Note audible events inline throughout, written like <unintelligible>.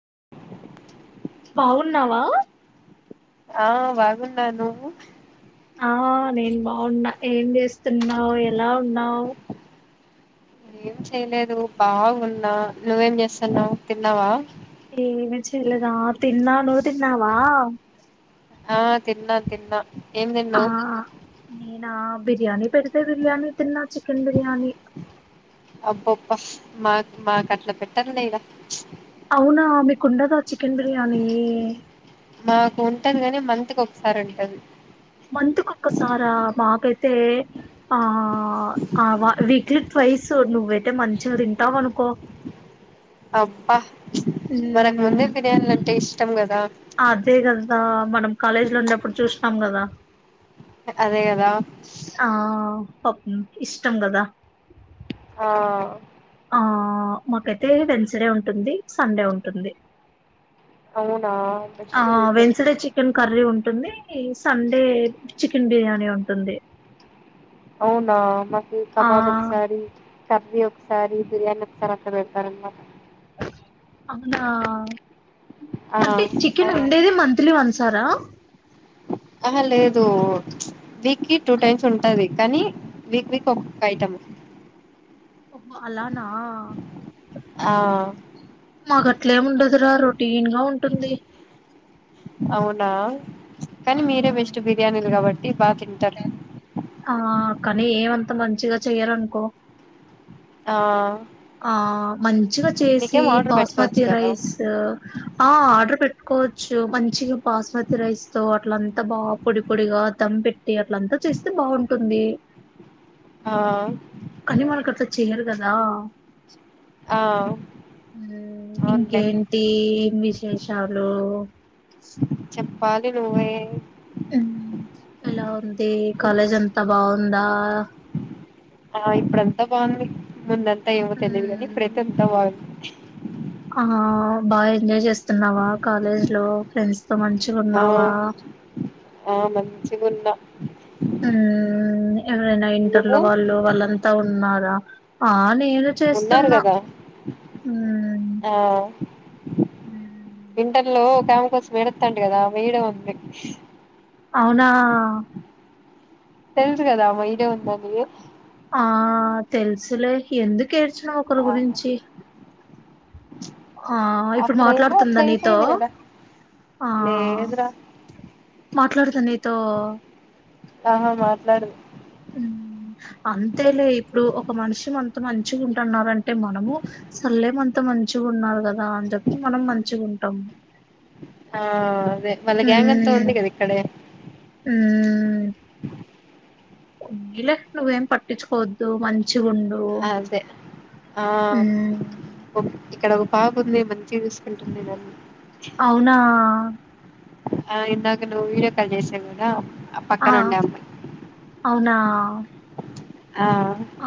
<inaudible> బాగున్నావా ఆ బాగున్నా నువ్వు ఆ నేను బాగున్నా ఏం చేస్తున్నావ్ ఎలా ఉన్నావ్ ఏం చెయలేదు బాగున్నా నువ్వేం చేస్తున్నావు తిన్నావా ఏమి చేయలేద తిన్నా నువ్వు తిన్నావా ఆ తిన్నాను తిన్నా ఏం ఆ తిన్నావ్ నేనా బిర్యానీ పెడితే బిర్యానీ తిన్న చికన్ బిర్యానీ అబ్బబ్బ మాకు మాకు అట్ల పెట్టరులే ఈడ అవునా మీకుండదా చికెన్ బిర్యానీ మాకు ఉంటది కాని మంత్కి ఒకసారి ఉంటది త ఆ <unintelligible> <inaudible> ట్వయిస్ నువ్వయితే మంచిగా తింటావనుకో అబ్బా మనకు ముందే బిర్యానీల అంటే ఇష్టం కదా అదే కదా మనం కాలేజ్ లో ఉన్నప్పుడు చూస్త కదా <unintelligible> అదే కదా ఆ ఇష్టం కదా ఆ ఆ మాకైతే వెన్స్డే ఉంటుంది సండే ఉంటుంది అవునా ఆ బెస్ట్ మీకే వెన్స్డే చికెన్ కర్రి ఉంటు ఉంటుంది సండే చికెన్ బిర్యానీ ఉంటుంది అవునా మ ఆ కబాబ్ ఒకసారి కర్రీ ఒక సారి బిర్యానీ అట్ల పెడతారనమాట అవునా అంటే ఆ చికెన్ ఉండేది మంత్లీ వన్స్ పెడతారా <unintelligible> ఆ లేదు వీక్కిి టూ టైమ్స్ ఉంటది కానీ వీక్ వీక్ ఒక్కొక్క ఐటమ్ అలానా ఆ మాకు అట్లేము ఉండదు లేదురా రొటీన్ గా ఉంటుంది అవునా కానీ ఆ మీరే బెస్ట్ బిర్యానీలు కాబట్టి బాగా తింటారు ఆ కానీ ఏమంతా మంచిగా చెయ్యారనుకో ఆ ఆ మంచిగా చేసి మీకేం ఆర్డర్ పెట్టుకోవచ్చు బాస్మతి కదా రైస్ ఆ ఆర్డర్ పెట్టుకోవచ్చు మంచిగా బాస్మతి రైస్ తో అట్లంత బా పొడి పొడిగా ధామ్ పెట్టి ఎ అట్ల అంతా చేస్తే బాగుంటుంది ఆ కానీ మన కట్ల చేయరుగా ఆ ఆ అవునులే ఇంకేంటి ఏం విశేషాలు పాలి నువ్వే ఎలా ఉంది కాలజ అన్ంత బా అంద ఆ ఇప్పుడంతా బాగుంది ముందంత అంత ఏమో తెలియదు కానీ ప్రతి ఉమ్, ఎంతా బాగుంది ఆ బాగా ఎంజాయ్ చేస్తున్నావా కాలేజ్ లో ఫ్రెండ్స్ తో మంచిగా ఆ ఉన్నావా ఆ మంచిగా ఉన్న ఆ ఎవరైనా నువ్వు ఇంటర్లో వాళ్ళు వాళ్ళంతా ఉన్నారు ా ఉన్నారు కదా మ్మ్ ఆ వింటర్ లో గమ కోసం ఎడతాంట కదా వీడ వంది అవునా తెలిదు కదా అమ్మ ఇదే ఉంద న ఆ తెలుసులే ఎందు కేర్చడం ఒకరి ఆహా గురించి ఆ ఇప్పుడు అప్పుడేనా అట్లా మాట్లాడుతుందా నీతో అయిపోయింది కదా ఆ లేదురా మాట్లాడుతుా నీతో ఆహా మాట్లాడుదు అంతేలే ఇప్పుడు ఒక మనిషి అంత మంచిగా ఉంటున్నారు అంటే మనము సల్లేమ అంత మంచిగా ఉన్నారు కదా అని చెప్పి మనం మంచిగా ఉంటాము ఆ వాళ్ళ గ్యాంగ్ అంతా ఉంది కదా ఇక్కడే ఆ లే నువ్వేం పట్టించుకోోద్దు మంచి అదే ఆ మ్మ్ ఇక్కడ ఒక పాప ఉంది మంచిగా తీసుకుెంటుంది దాన్ని అవునా ఆ ఇందాక నువ్వు వీడియో కాల్ చేసావు కదా ఆ పక్కన ఉండే అమ్మాయి అవునా ఆ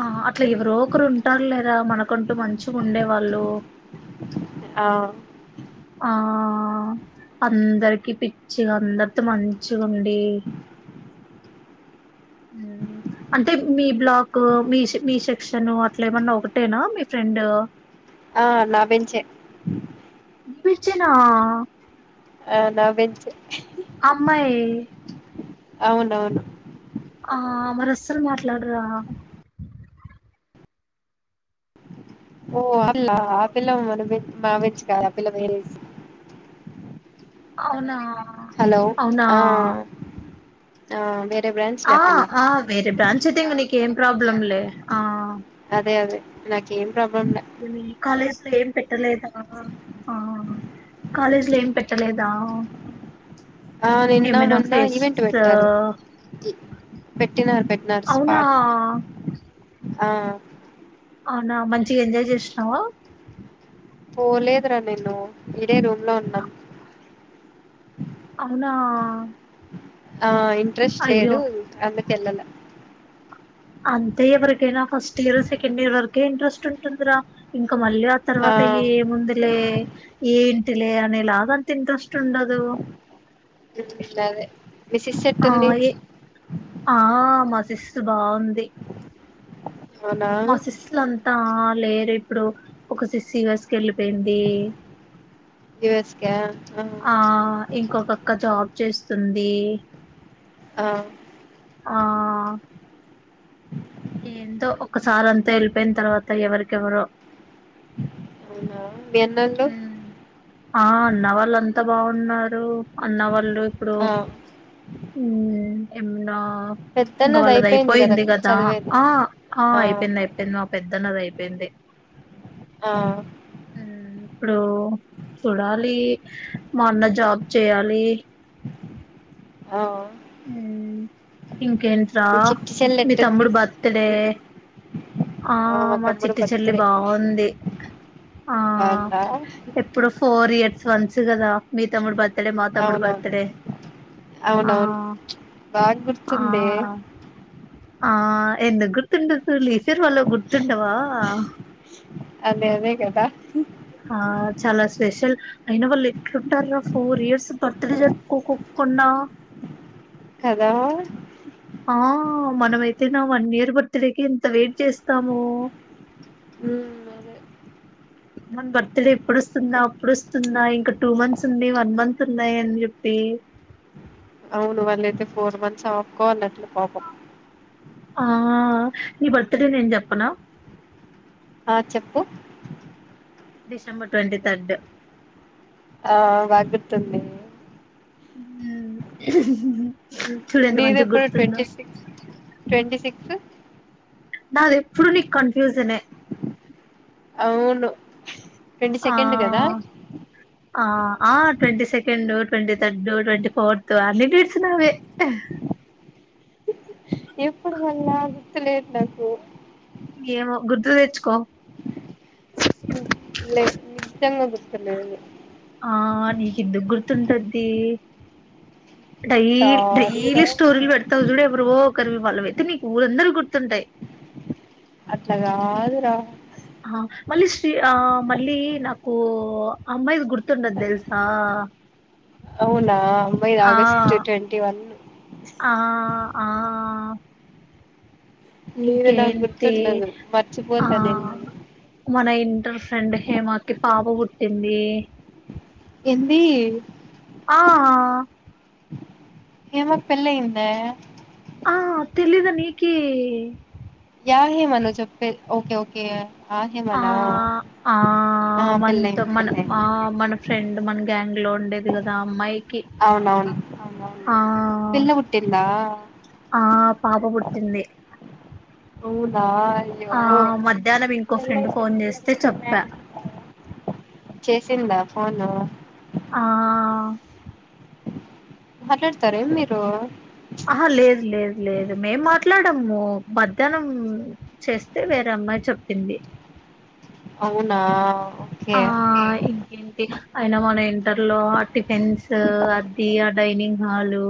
ఆ అట్లా ఎవరో ఒకరు ఉంటారు లేరాా మనకంటూ మంచి ఉండేవాళ్ళు ఆ ఆ అందరికి పిచ్చి అందరితో మంచు గుండి అంటే మీ బ్లాక్ మీ మీ సెక్షన్ అట్ల ఏమన్నా ఒకటేనా మీ ఫ్రెండ్ ఆ నా బెంచ్ విచనా ఆ నావ బెంచ్ ఏ అమ్మాయి అవునవును ఆ మరి అస్సలు మాట్లాడరా ఓ అలా హలో ఆ పిల్ల మరే మా బ్రాంచ్ కాదు ఆ పిల్ల వేరు అవునా హలో అవునా ఆ ఆ బ్రాంచ్ లే ఆ పిల్ల ఆ వేరే బ్రాంచ్ అయితే ఏం ప్రాబ్లం లే ఆ నా కాలేజ్ ఏం పెట్టలేదా ఆ కాలేజ్ లో ఏం పెట్టలేదా ఆ నిన్న ఏమైనా మొన్న ఈవెంట్ ఫెస్ట్స్ పెట్టారు పెట్టినారు పెట్టినారు అవునా స్పార్క్ ఆ అనా మ ఇగ ఎంజాయ్ చేశినవా ఓ లేదురా నేను ఇడే రూమ్ లో ఉన్నా అవునా ఆ ఇం ఇంట్రెస్ట్ అయ్యో లేదు అందు కెళ్ళల అంతే ఎవరికైనా ఫస్ట్ ఇయర్ సెకండ్ ఇయర్ వరకే ఇంట్రెస్ట్ ఉంటుందిరా ఇం ఇక మళ్ళీ ఆ తర్వాత ఏముందిలే ఏం లే అనేలాగా ఇంట్రెస్ట్ ఉండదు హ్మ్ అదే మీ సిస్ ఆ ఎట్టుంది ఏ ఆ మ సిస్ బావుంది అవునా మా సిస్లంతా లేరు ఇప్పుడు ఒక సిస్ యుఎస్ కెళ్ళి పోయింది. యుఎస్ కా ఆ ఇంకొక అక్క జాబ్ చేస్ సుందీ ఆ ఆ ఏంతో ఒకసారి అంతా వెళ్ళిపోయిన తర్వాత ఎవరికెవరో అవునా మీ అన్నోళ్ళు హం ఆ నా వాళ్ళు అంతా బాగు ఉన్నారు అన్న వాళ్ళు ఇప్పుడు ఆ హ్ మ్ ఎమ్న ఇంకా వాళ్ళది అయిపోయింది కదా ఆ ఆ అయిపోయింది అయిపోయింది మా పెద్దన్నది అయిపోయింది. ఆ ఇప్పుడూ చూడాలి. మా అన్న జాబ్ చేయాలి. ఆ ఇంకేంట్రా మీ చిట్టి చెల్లి మీ ఎట్టుంది తమ్ముడు బర్త్డే ఆ మా చిట్టి చెల్లి బాగుంది. ఆ వాళ్ళ ఎప్పుడో ఫోర్ ఇయర్స్ వన్స్ కదా మీ తమ్ముడు బర్త్డే మా తమ్ముడు అవునవును బర్త్ డే ఆ అవునవును బాగా ఆ గుర్తుందే ఆ ఎందుకు గుర్తుండదు. సరు వాళ్ళక్ గుర్తుండవా అదే అదే కదా ఆ చాలా స్పెషల్ అయిన వాళ్ళు ఎట్లుంటార్రా ఫోర్ ఇయర్స్ బర్త్డే జరుపుకోకోకుండా కదా ఆ మనమైతేనా వన్ ఇయర్ బర్త్డే కి ఎంత వెయిట్ చేస్తామో హ్ మన బర్త్డే ఇప్పుడోస్తుందా అప్పడోస్తుందా ఇంకా టూ మంత్స్ ఉంది వన్ మంత్ ఉంన్నాయి అని చెప్పి అవును వాళ్ళ అయితే ఫోర్ మంత్స్ ఆఫకో అన్నట్లు పాపం ఆ నీ బర్త్డే నేన్ చెప్పనా ఆ చెప్పు డిసెంబర్ ట్వంటి తర్డ్ ఆ బాగ్ గుర్తుంది. చూడు ఎంత నీది మంచిగా ఇప్పుడు గుర్తుందో ట్వంటీ సిక్స్ ట్వంటీ సిక్స్త్ నాద్ ఎప్పుడు నీకు కన్ఫ్యూసనే అవును. ట్వంటీ ఆ సెకండ్ కదా ఆ ఆ twenty second twenty third twenty fourth అన్ని డేట్స్ నావే ఏహ్ ఇప్పుడువనాగు గుర్తులేదు నాకు ఏమో గుర్తు దెచ్చుకో లే నిజంగా గుర్ తు లేదు ఆ నీకెందుకు గుర్ తుంటది డైలీ సారీ రా డైలీ స్టోరీస్ వెడ్తావ్ జూడు ఎవరివో కరివి వాళ్ళవైతే నీకు ఊరందరివి గుర్తుంటయ్ అట్ల గాదురా ఆ మళ్ళీ శ్రీ ఆ మళ్ళీ నాకు అమ్మాయిది గుర్తుండది దెల్సా అవునా అమ్మాయ్ ది ఆగస్టు ట్వంటీ వను ఆ ఆ నీది నాకు ఇంకేేం టే గుర్తుండదు ఆ మర్చిపోతా నేను నీది మన ఇం టర్ ఫ్రెండ్ హేమాకిి పాబ బుట్టింది ఎంది ఆ హేమక్ పెలైందా? ఆ తెలీదా నీకి గా హేమ నువ్ చెప్పేద్ ఓకే ఓకే ఆ ఆ ఆ మంత్ పెళ్ళయింది మన ఆ పెళ్ళయింది మన ఫ్రెండు మన గ్యాంగ్ ఇంట్లో ఉండేది గదా ఆ అమ్మాయి అవునవును ఆ అవునవునులే పిల్ల పుట్టిందా ఆ పాప బుట్టింది, అవునా అయ్యో ఆ మధ్యాహ్నం ఇంకో ఫ్రెండ్ ఫోన్ జేస్తే చెప్పా. చేసిందా ఫోను? ఆ మాట్లాడతారేం మీరు ఆహా లేదు లేదు లేదు మేం మాట్ల ట్లాడమ్ము మధ్యాహ్నం చేస్తే వేరే అమ్మాయి చెప్పింది అవునా ఓకే ఆ ఇంకేంటి అ అయినా మన ఇంటర్లో ఆ టిఫిన్సు అది డైనింగ్ హాలు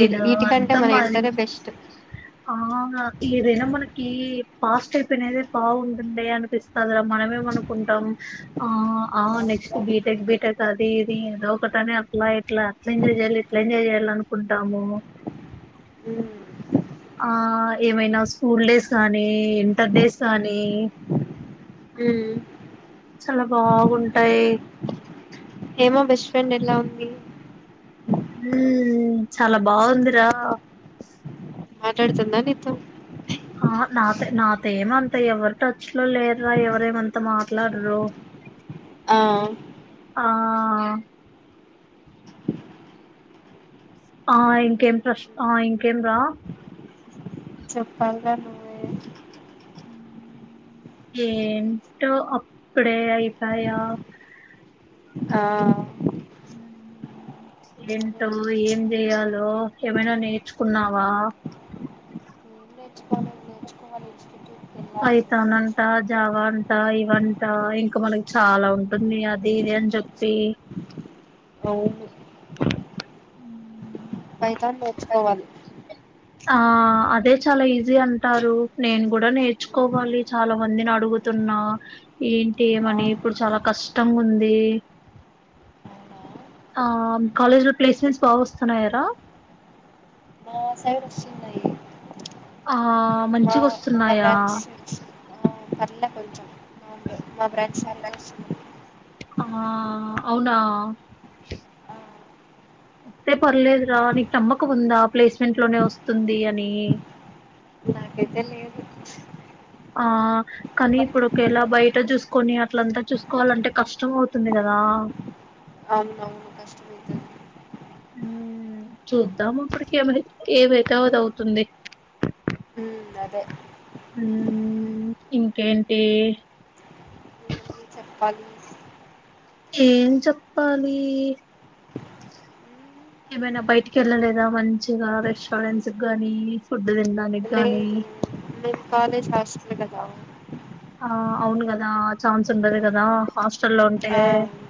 ఈ వీటికంటే అంత మన మంది ఇంటరే బెస్ట్ ఆ అ ఏదైనా మనకి పాస్ట్ ఐపనదే బాగుంటంది అనిపిస్తది రా మనమేం మనుకుంటాం ఆ ఆ నెక్స్ట్ బీటెక్ బీటెక్ అది ఇది ఏదో ఒకటని అట్లా ఇట్లా అట్లా ఎంజాయ్ జేయాలి ఇట్లా ఎంజాయ్ జేయాలి అనుకుంటాము. మ్మ్ ఆ ఏమైనా స్కూల్ డేస్ గానీ ఇంటర్ డేస్ గానీ ఊ చాలా బాగుంటాయి ఏమో బెస్ట్ ఫ్రెండ్ ఎలా ఉంది మ్ చాలా బావుందిరా మాట్లాడుతుంద నీతొ ఆ హా నాతొ నాతో ఏమంత ఎవరు టచ్ లో లేరురా ఎవరేమంత మాట్లాడరు ఆమ్ ఆ ఆ ఇంకేం ప్రశ్ ఆ ఇంకేం రా చెప్పాలిర నువ్వే ఏంటో అప్పుడేఅయితాయ ఆ అదే ఏంటో ఏం చెయ్యాలో ఏమైనా నేర్చుకున్నావా ఏం నేర్చుకోవాలి నేర్చుకోవాలి ఇన్స్టిట్యూట్కి వెళ్ళాలి పైథాన్ అంట జావా అంటా ఇవంట ఇంకా మనకి చాలా ఉంటుంది అది ఇది అని చెప్పి అవును ఫైతాన్ నేర్చుకోవాలి ఆ అదే చాలా ఈజీ అంటారు నేను కూడా నేర్చుకోవాలి చాలా మందిని అడుగుతున్నా ఏంటి ఆ, ఏమని ఇప్పుడు చాలా కష్టంగుంది అవునా ఆ కాలేజ్లో ప్లేస్మెంట్స్ బాగా వస్తున్నాయార <unintelligible> ఆ ఆ మా మంచిగ మా వస్తున్నాయా బ్రాంచ్ సైడ్స్ పర్లే కొంచెం మా మా ఫ్రెండ్స్ నిన్ను చూస్తుంది ఆ అవునా ఆ, వస్తే పర్లేదురా నీకు నమ్మకంముందా ప్లేస్మెంట్ లోనే వస్తుంది అని పెద్ద లేదు ఆ కానీ వ- ఇప్పుడు ఒకేలా మరి బయట చూసుకొని అట్లంతా చూసుకోవాలంటే కష్టం అవుతుంది కదా అవును అవును కష్టమైతంది మ్ చూద్దాం అప్పటికి ఏమరి ఏదైతేఅ దౌతుంది ఉమ్, అదే మిమ్మల్ని <unintelligible> చెప్పాలి ఏం చెప్పాలి ఏమైనా బయటికి వెళ్ళలేదా మంచిగా రెస్టారెంట్స్ గాని ఫుడ్ తినడానికి గానీ లేదూ నేను కాలేజ్ హస్ టెల్ కదా <unintelligible> ఆ అవును కదా ఛాన్స్ ఉండదు కదా హాస్టల్ లో ఉంటే ఆ, అవును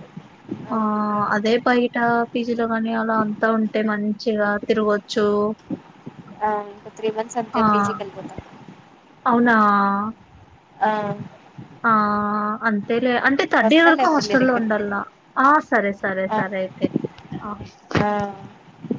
ఆ అవును అందరూ అదే బయట పీజీలో కాని అలా అంతా ఉంటే మంచిగా తిరగచ్చు ఆ త్రీ మంత్స్ అంతే పిజి కెలిపోతా అవునా ఆ ఆ... అంతే అంటే థర్డ్ ఇయర్ వస్తాలే వరకు అప్పుడు నీ హాస్టల్లో దగ్గరికి ఉండాలన ఆ సరే సరే ఆ సరే అయితే ఆ ఆ